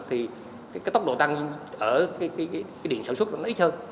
thì cái tốc độ tăng ở cái điện sản xuất nó ít hơn